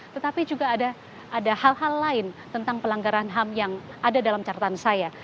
tetapi juga ada hal hal lain tentang pelanggaran ham yang ada dalam catatan saya